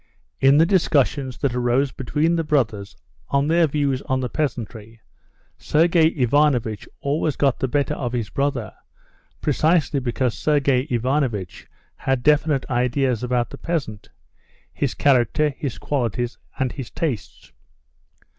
In the discussions that arose between the brothers on their views of the peasantry, Sergey Ivanovitch always got the better of his brother, precisely because Sergey Ivanovitch had definite ideas about the peasant—his character, his qualities, and his tastes.